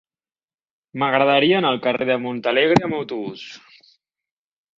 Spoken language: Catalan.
M'agradaria anar al carrer de Montalegre amb autobús.